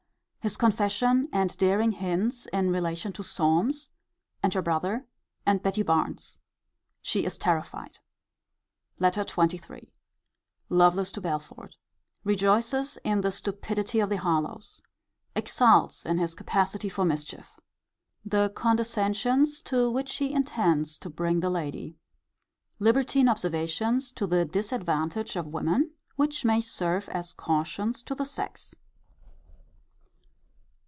His confession, and daring hints in relation to Solmes, and her brother, and Betty Barnes. She is terrified. LETTER XXIII. Lovelace to Belford. Rejoices in the stupidity of the Harlowes. Exults in his capacity for mischief. The condescensions to which he intends to bring the lady. Libertine observations to the disadvantage of women; which may serve as cautions to the sex.